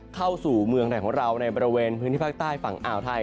เข้าสู่เมืองไทยของเราในบริเวณพื้นที่ภาคใต้ฝั่งอ่าวไทย